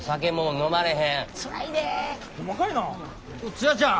ツヤちゃん。